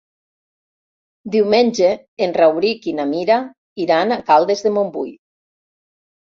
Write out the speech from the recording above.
Diumenge en Rauric i na Mira iran a Caldes de Montbui.